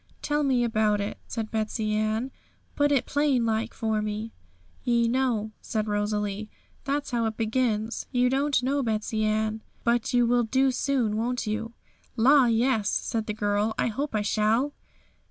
'Tell me about it,' said Betsey Ann; 'put it plain like for me.' '"Ye know,"' said Rosalie, 'that's how it begins. You don't know, Betsey Ann, but you will do soon, won't you?' 'La! yes,' said the girl; 'I hope I shall.'